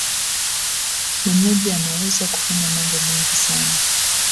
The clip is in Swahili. mwenyeji anaweza kufanya mambo mengi sana